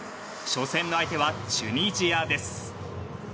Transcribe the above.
初戦の相手はチュニジアです。